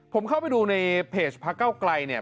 ผมเข้าไปดูในเพจพระเก้าไกลเนี่ย